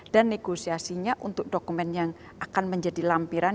dan negosiasinya untuk dokumen yang akan menjadi lampiran